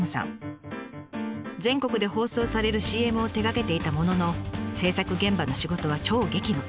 全国で放送されるＣＭを手がけていたものの制作現場の仕事は超激務。